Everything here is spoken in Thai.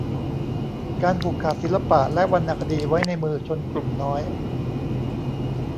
การผูกขาดศิลปะและวรรณคดีไว้ในมือชนกลุ่มน้อย